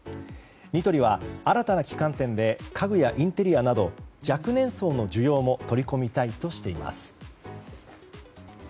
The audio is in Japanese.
ニトリは新たな旗艦店で家具やインテリアなど若年層の需要も取り込みたいとしています。